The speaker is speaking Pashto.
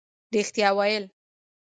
رښتیا ویل